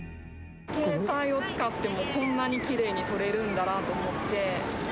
携帯を使ってもこんなにきれいに撮れるんだなと思って。